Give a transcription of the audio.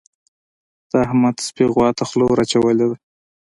د احمد سپي غوا ته خوله ور اچولې ده.